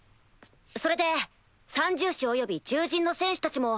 それで三獣士および獣人の戦士たちも。